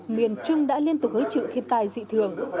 miền trung đã liên tục hứng chịu thiên tai dị thường